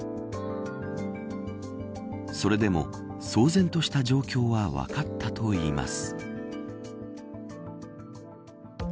それでも、騒然とした状況は分かったといいます。